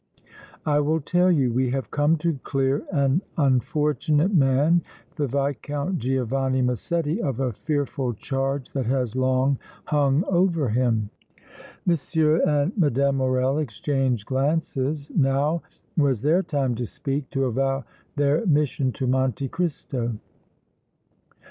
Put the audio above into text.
I will tell you. We have come to clear an unfortunate man, the Viscount Giovanni Massetti, of a fearful charge that has long hung over him." M. and Mme. Morrel exchanged glances. Now was their time to speak, to avow their mission to Monte Cristo.